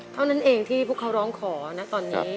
เท่านั้นเองที่พวกเขาร้องขอนะตอนนี้